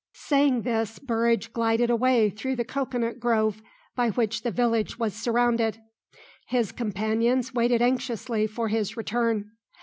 Saying this Burridge glided away through the cocoanut grove by which the village was surrounded. His companions waited anxiously for his return.